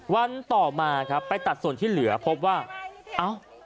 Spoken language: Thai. วันต่อมาครับไปตัดส่วนที่เหลือพบว่าเอ้า